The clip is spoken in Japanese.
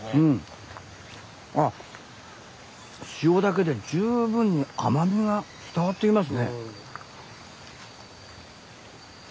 あっ塩だけで十分に甘みが伝わってきますね。